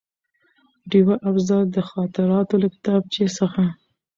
ډېوه افضل: د خاطراتو له کتابچې څخه